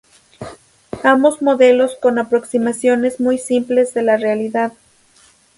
Ambos modelos con aproximaciones muy simples de la realidad.